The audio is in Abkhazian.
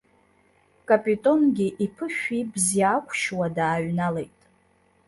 Капитонгьы иԥышә ибз иаақәшьуа дааҩналеит.